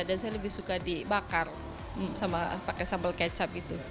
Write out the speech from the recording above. dan saya lebih suka dibakar sama pakai sambal kecap gitu